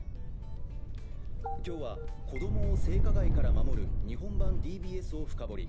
今日は子供を性加害から守る日本版ＤＢＳを深掘り。